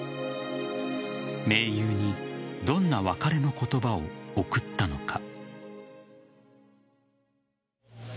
盟友にどんな別れの言葉を贈ったのか。